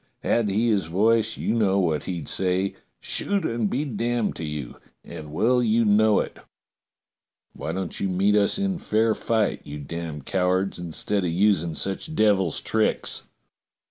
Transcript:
Had he his voice you know what he'd say — 'Shoot and be damned to you!' and well you know it. Why don't you meet us in fair fight, you damned cow ards, instead of using such devil's tricks